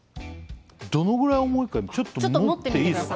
どのぐらい重いかちょっと持っていいですか？